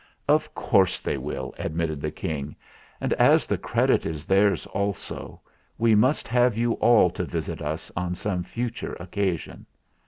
"Of course they will," admitted the King; "and as the credit is theirs also, we must have you all to visit us on some future occasion.